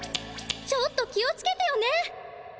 ちょっと気をつけてよね。